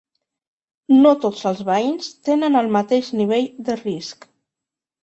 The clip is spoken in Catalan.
No tots els veïns tenen el mateix nivell de risc.